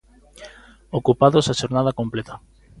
Ocupados a xornada completa.